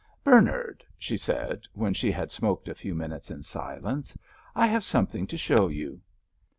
"Bernard," she said, when she had smoked a few minutes in silence, "I have something to show you."